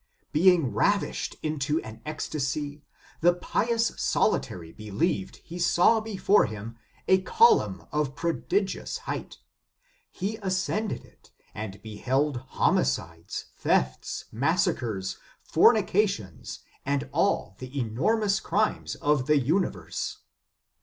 Being ravished into an ecstasy, the pious solitary believed he saw before him a column of prodigious height. He ascended it, and beheld homicides, thefts, massacres, fornica tions, and all the enormous crimes of the universe.